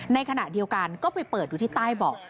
ในขณะเดียวกันก็ไปเปิดอยู่ที่ใต้เบาะ